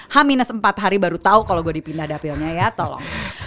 h empat hari baru tahu kalau gue dipindah dapilnya ya tolong